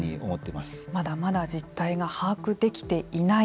まだまだ実態が把握できていない。